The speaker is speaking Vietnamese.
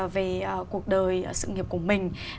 về cuộc đời sự nghiệp của mình